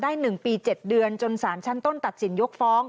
๑ปี๗เดือนจนสารชั้นต้นตัดสินยกฟ้อง